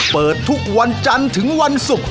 เปิดทุกวันจันทร์ถึงวันศุกร์